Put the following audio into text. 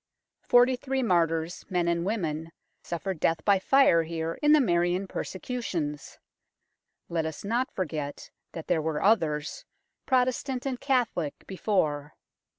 Forty three martyrs, men and women, suffered death by fire here in the Marian persecutions. Let us not forget that there were others, Pro testant and Catholic, before.